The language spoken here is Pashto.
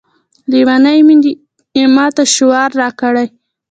لیونۍ میني یې ماته شعور راکړی